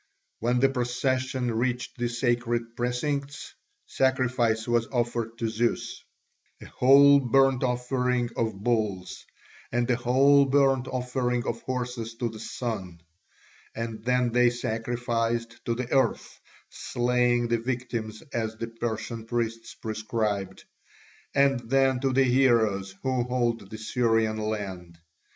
When the procession reached the sacred precincts, sacrifice was offered to Zeus, a whole burnt offering of bulls, and a whole burnt offering of horses to the Sun; and then they sacrificed to the Earth, slaying the victims as the Persian priests prescribed, and then to the heroes who hold the Syrian land.